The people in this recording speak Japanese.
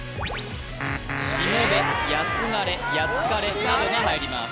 しもべやつがれやつかれなどが入ります